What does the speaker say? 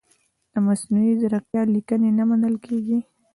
د مصنوعي ځیرکتیا لیکنې نه منل کیږي.